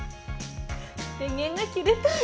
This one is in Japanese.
電源が切れたみたい。